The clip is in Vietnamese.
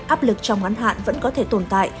áp lực trong ngắn hạn vẫn có thể tồn tại